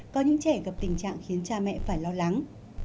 có những trẻ gặp tình trạng khiến cha mẹ phải lo lắng